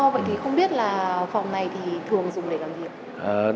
vậy thì không biết là phòng này thì thường dùng để làm việc